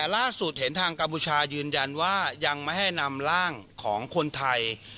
ล่าสุดเห็นทางกัมพูชายืนยันว่ายังไม่ให้นำร่างของคนไทย